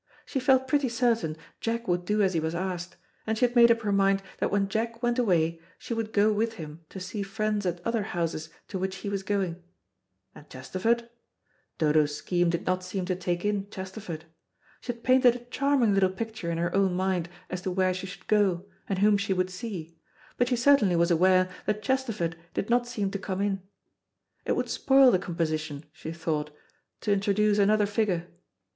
She felt pretty certain Jack would do as he was asked, and she had made up her mind that when Jack went away she would go with him to see friends at other houses to which he was going. And Chesterford? Dodo's scheme did not seem to take in Chesterford. She had painted a charming little picture in her own mind as to where she should go, and whom she would see, but she certainly was aware that Chesterford did not seem to come in. It would spoil the composition, she thought, to introduce another figure.